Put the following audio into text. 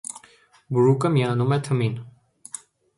Բրուկը միանում է թմին։